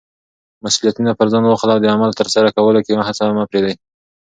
مسولیتونه پر ځان واخله او د عمل په ترسره کولو کې هڅه مه پریږده.